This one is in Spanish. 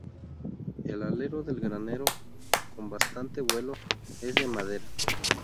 El alero del granero, con bastante vuelo, es de madera.